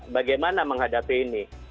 bagaimana menghadapi ini